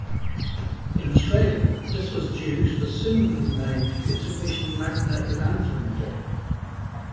In Australia, this was due to the similarly named Mitsubishi Magna Elante model.